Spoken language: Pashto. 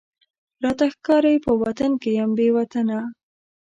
راته ښکاری په وطن یم بې وطنه،